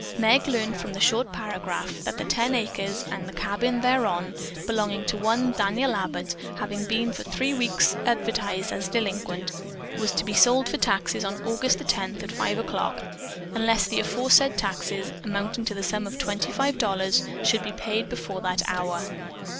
Meg learned from the short paragraph that the ten acres and "cabin thereon" belonging to one Daniel Abbott, having been for three weeks advertised as delinquent, was to be sold for taxes on August the tenth at five o'clock unless the aforesaid taxes, amounting to the sum of twenty five dollars, should be paid before that hour.